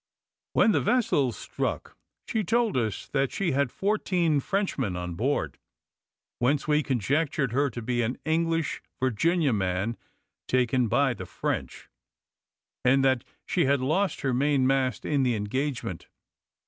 When the vessel struck she told us that she had fourteen Frenchmen on board, whence we conjectured her to be an English Virginia man taken by the French; and that she had lost her main mast in the engagement.